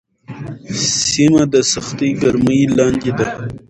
سیمه د سختې ګرمۍ لاندې ده.